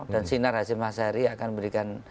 dan sinar hasil massa hari akan memberikan